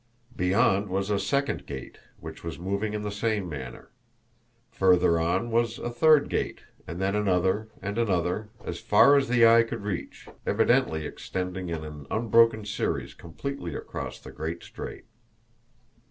Beyond was a second gate, which was moving in the same manner. Further on was a third gate, and then another, and another, as far as the eye could reach, evidently extending in an unbroken series completely across the great strait.